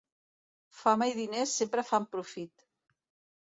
Fama i diners sempre fan profit.